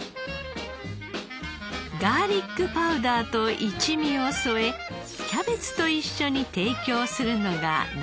ガーリックパウダーと一味を添えキャベツと一緒に提供するのが長門流。